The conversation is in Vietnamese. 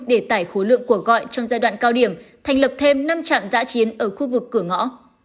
để tải khối lượng cuộc gọi trong giai đoạn cao điểm thành lập thêm năm trạm giã chiến ở khu vực cửa ngõ